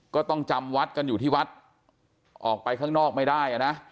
จำวัดกันอยู่ที่วัดออกไปข้างนอกไม่ได้อ่ะนะ